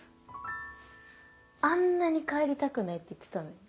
あんなに帰りたくないって言ってたのに。